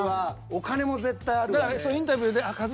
お金も絶対あるからね。